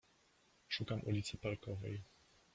Szukam ulicy Parkowej.